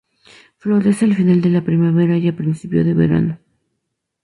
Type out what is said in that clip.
Florece al final de la primavera y principio de verano.